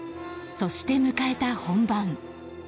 そして迎えた本番。